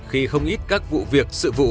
khi không ít các vụ việc sự vụ